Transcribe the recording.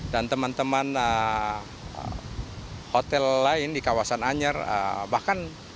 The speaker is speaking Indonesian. dan teman teman hotel lain di kawasan anyer bahkan